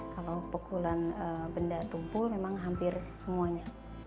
kalau pukulan benda tumpul memang hampir semuanya